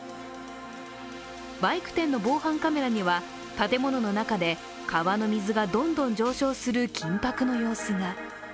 バイク店の防犯カメラには、建物の中で川の水がどんどん上昇する緊迫の様子が。